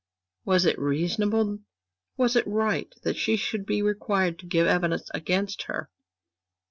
Was it reasonable, was it right that she should be required to give evidence against her?